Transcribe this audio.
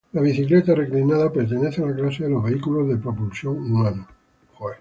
La bicicleta reclinada pertenece a la clase de los vehículos de propulsión humana.